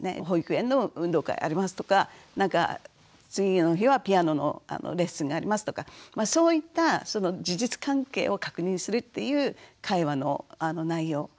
「保育園の運動会あります」とか「次の日はピアノのレッスンがあります」とかそういった事実関係を確認するっていう会話の内容。